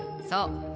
そう。